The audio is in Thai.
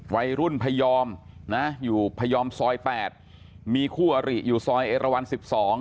วัยรุ่นพยอมนะอยู่พยอมซอย๘มีคู่อริอยู่ซอยเอราวัน๑๒